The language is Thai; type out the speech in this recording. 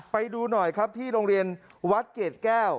ไปดูหน่อยครับที่โรงเรียนวัดเกรดแก้ว